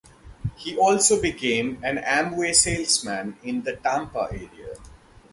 He also became an Amway salesman in the Tampa area.